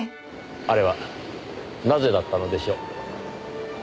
あれはなぜだったのでしょう？